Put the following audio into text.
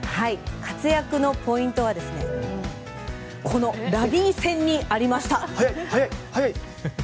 活躍のポイントはこのラリー戦にありました。